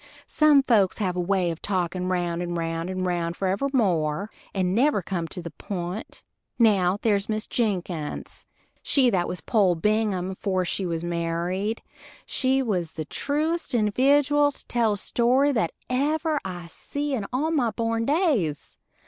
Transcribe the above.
Some folks have a way of talkin' round and round and round forevermore, and never come to the pint. Now there's Miss Jinkins, she that was Poll Bingham afore she was married, she is the tejusest individooal to tell a story that ever I see in all my born days.